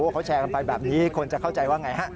เขาแชร์กันไปแบบนี้คนจะเข้าใจว่าไงฮะ